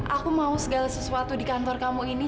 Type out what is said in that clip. aku mau segala sesuatu di kantor kamu ini